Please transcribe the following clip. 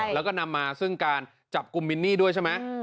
แล้วก็นำมาซึ่งการจับกลุ่มมินนี่ด้วยใช่ไหม